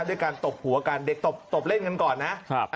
ด้วยการตบหัวกันเด็กตบเล่นกันก่อนนะ